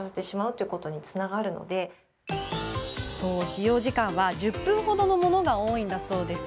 使用時間は１０分程のものが多いんだそう。